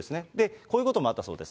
こういうこともあったそうです。